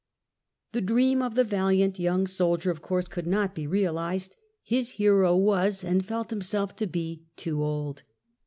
The dream of the valiant young soldier, of course, could not be realised; his hero was, and felt himself to be, too old.